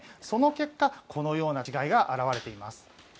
その結果このような違いが表れています。